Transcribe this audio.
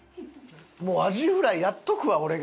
もうアジフライやっとくわ俺が。